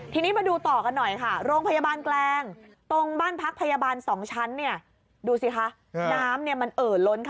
ทีนี้มาดูต่อกันหน่อยค่ะโรงพยาบาลแกรงตรงบ้านพักพยาบาล๒ชั้นเนี่ย